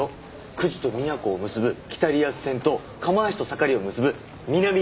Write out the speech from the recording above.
久慈と宮古を結ぶ北リアス線と釜石と盛を結ぶ南リアス線。